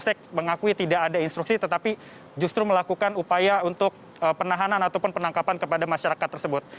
seks mengakui tidak ada instruksi tetapi justru melakukan upaya untuk penahanan ataupun penangkapan kepada masyarakat tersebut